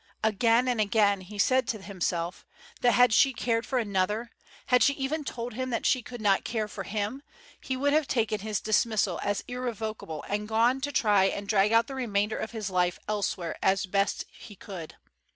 Again and again he said to himself that had she cared for another, had she even told him that she could not care for him, he would have taken his dismissal as irrevocable and gone to try and drag out the remainder of his life elsewhere as best he could.